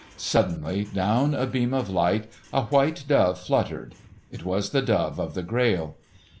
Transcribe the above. Suddenly, down a beam of light, a white dove fluttered. It was the dove of the Grail.